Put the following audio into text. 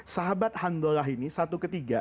sahabat handollah ini satu ketiga